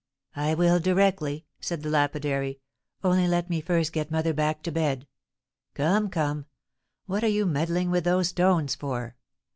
"I will directly," said the lapidary; "only let me first get mother back to bed. Come! come! what are you meddling with those stones for?